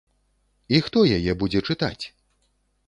І хто яе будзе чытаць?